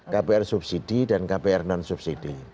kpr subsidi dan kpr non subsidi